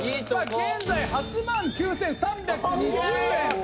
現在８万９３２０円。